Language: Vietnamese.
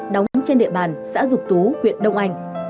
đóng trên địa bàn xã dục tú huyện đông anh